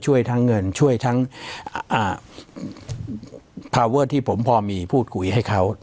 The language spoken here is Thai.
ช่วยทั้งเงินช่วยทั้งพาเวอร์ที่ผมพอมีพูดคุยให้เขา